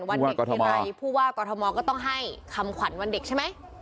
วันเด็กทีไรผู้ว่ากอทมก็ต้องให้คำขวัญวันเด็กใช่ไหม